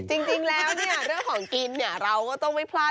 จริงแล้วเรื่องของกินเราก็ต้องไม่พลาด